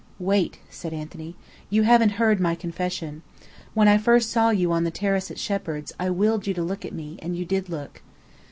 "Wait!" said Anthony. "You haven't heard my confession. When I first saw you on the terrace at Shepheard's, I willed you to look at me, and you did look."